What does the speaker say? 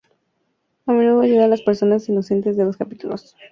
A menudo ayuda a las personas inocentes de los capítulos.